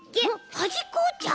はじっこおっちゃう？